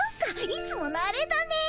いつものアレだね。